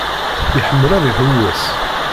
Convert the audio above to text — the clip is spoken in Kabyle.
Iḥemmel ad iḥewwes.